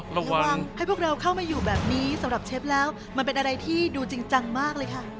ระวังให้พวกเราเข้ามาอยู่แบบนี้สำหรับเชฟแล้วมันเป็นอะไรที่ดูจริงจังมากเลยค่ะ